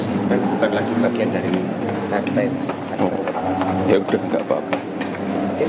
saya tidak tahu ya tanyakan ke beliau sendiri